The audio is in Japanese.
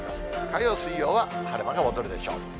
火曜、水曜は晴れ間が戻るでしょう。